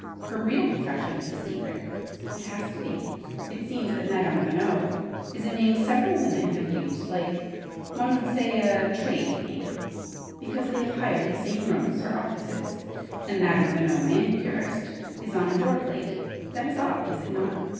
Her real profession is a secret. It has to be! It seems that 'Madame Veno' is a name several women have used, like one would say, a 'trade name,' because they have hired the same rooms, or offices, and 'Madame Veno, Manicurist' is on a doorplate. That is odd, is it not?